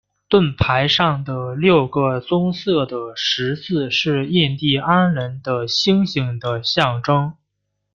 盾牌上的六个棕色的十字是印第安人的星星的象征。